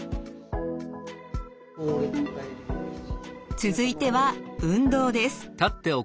続いては運動です。